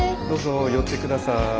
どうぞ寄ってください。